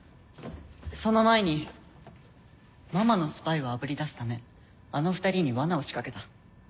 その前にママのスパイをあぶり出すためあの２人にわなを仕掛けた。